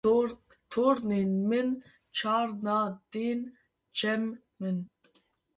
tornên min carna tên cem min